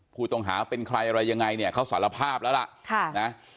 ผู้ต้องหาเป็นใครอะไรยังไงเนี่ยเขาสารภาพแล้วล่ะ